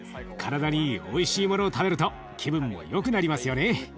体にいいおいしいものを食べると気分もよくなりますよね。